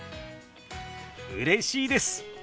うれしいです！